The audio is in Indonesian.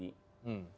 tidak selemot ini